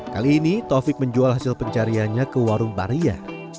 kali ini taufik menjual hasil pencariannya ke warung baria